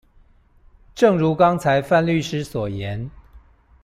正如剛才范律師所言